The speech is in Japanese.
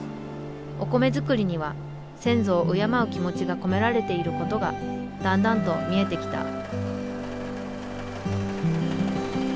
お米作りには先祖を敬う気持ちが込められていることがだんだんと見えてきた。